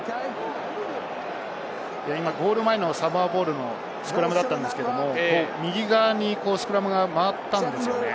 ゴール前のサモアボールのスクラムだったんですけれど、右側にスクラムが回ったんですよね。